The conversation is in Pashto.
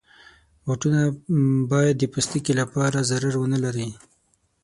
بوټونه باید د پوستکي لپاره ضرر ونه لري.